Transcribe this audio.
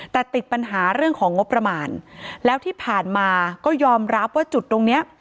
แต่ติดปัญหาเรื่องของงบประมาณแล้วที่ผ่านมาก็ยอมรับว่าจุดตรงเนี้ย